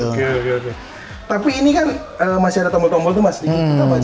oke oke oke tapi ini kan masih ada tombol tombol tuh mas ini apa aja sih